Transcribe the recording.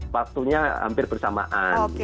waktunya hampir bersamaan